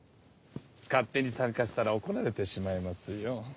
勝手に参加したら怒られてしまいますよ。